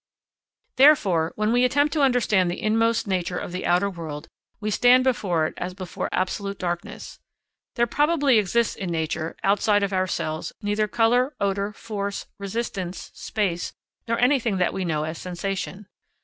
Therefore, when we attempt to understand the inmost nature of the outer world, we stand before it as before absolute darkness. There probably exists in nature, outside of ourselves, neither colour, odour, force, resistance, space, nor anything that we know as sensation.